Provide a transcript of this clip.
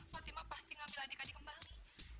fatima pasti ngambil adik adik kembali